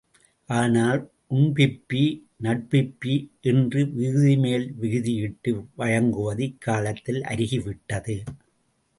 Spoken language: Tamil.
ஆனால், உண்பிப்பி, நடப்பிப்பி என விகுதிமேல் விகுதி இட்டு வழங்குவது இக்காலத்தில் அருகிவிட்டது.